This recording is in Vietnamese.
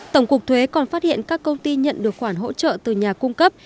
tổng cục thuế còn phát hiện các công ty nhận được khoản hỗ trợ từ nhà cung cấp